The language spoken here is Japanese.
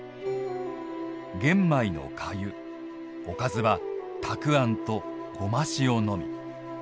玄米のかゆおかずは、たくあんとゴマ塩のみ。